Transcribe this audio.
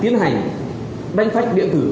tiến hành đánh phách điện tử